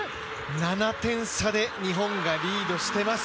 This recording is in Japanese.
７点差で日本がリードしています。